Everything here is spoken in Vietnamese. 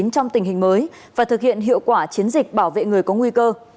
trong tình hình mới và thực hiện hiệu quả chiến dịch bảo vệ người có nguy cơ